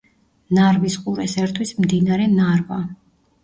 ნარვის ყურეს ერთვის მდინარე ნარვა.